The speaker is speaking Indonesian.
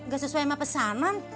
gak sesuai sama pesanan